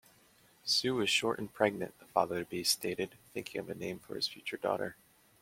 "Sue is short and pregnant", the father-to-be stated, thinking of a name for his future daughter.